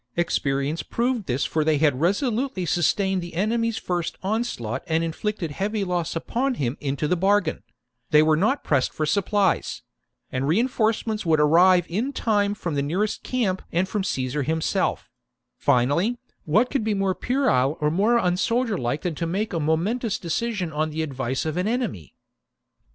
Experience proved this ; for they had resolutely sustained the enemy's first onslaught and inflicted heavy loss upon him into the bargain ; they were not pressed for supplies ; and reinforcements would arrive in time from the nearest camp and from Caesar himself : finally, what could be more puerile or more unsoldierlike than to make a momentous decision on the advice of an enemy